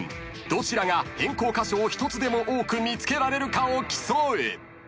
［どちらが変更箇所を１つでも多く見つけられるかを競う！］